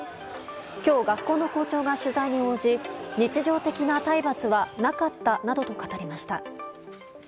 今日、学校の校長が取材に応じ日常的な体罰はなかったなどと語りました。